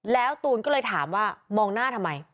แล้วตูนก็เลยถามว่ามองหน้าทำไม